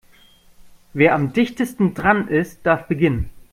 Wer am dichtesten dran ist, darf beginnen.